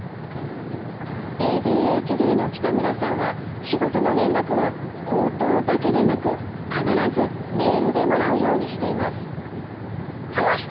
ＡＤＨＤの北村さんは仕事の連絡は口頭だけでなく必ずメールでもらうようにしています。